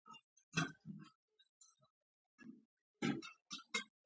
پاچاهانو او وګړو دواړو لیک د ځان په ګټه نه باله.